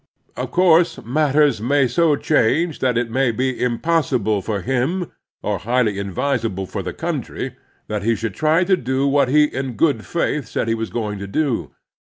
Of course matters may so change that it may be impossible for him, or highly inadvisable for the coxmtry, that he shotild try to do what he in good faith said he was going to do.